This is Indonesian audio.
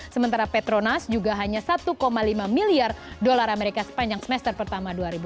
sementara petronas juga hanya satu lima miliar dolar amerika sepanjang semester pertama dua ribu dua puluh